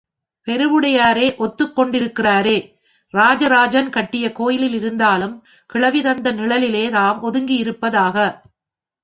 பெருவுடையாரே ஒத்துக் கொண்டிருக்கிறாரே, ராஜராஜன் கட்டிய கோயிலில் இருந்தாலும் கிழவி தந்த நிழலிலே தாம் ஒதுங்கியிருப்பதாக.